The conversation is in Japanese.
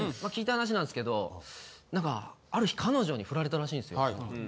聞いた話なんですけどある日彼女にフラれたらしいんですよ。